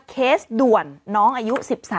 เคสด่วนน้องอายุ๑๓